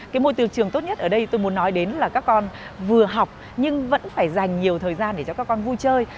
cái môi trường trường tốt nhất ở đây tôi muốn nói đến là các con vừa học nhưng vẫn phải dành nhiều thời gian để cho các con vui chơi